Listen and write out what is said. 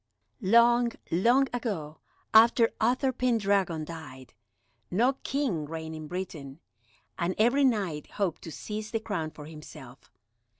Long, long ago, after Uther Pendragon died, no king reigned in Britain, and every Knight hoped to seize the crown for himself.